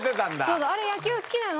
「あれっ野球好きなの？